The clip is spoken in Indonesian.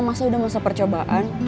masa udah masa percobaan